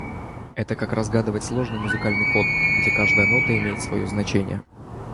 Это как разгадывать сложный музыкальный код, где каждая нота имеет свое значение.